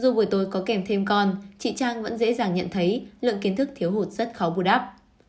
dù buổi tối có kèm thêm con chị trang vẫn dễ dàng nhận thấy lượng kiến thức thiếu hụt rất khó bù đắp